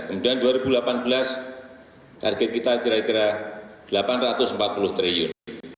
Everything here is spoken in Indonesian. kemudian dua ribu delapan belas target kita kira kira rp delapan ratus empat puluh triliun